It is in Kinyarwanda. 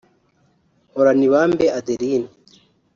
Horanibambe Adeline